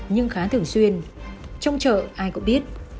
nhưng khá thường xuyên trong chợ ai cũng biết